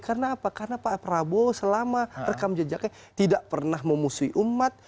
karena pak prabowo selama rekam jejaknya tidak pernah memusuhi umat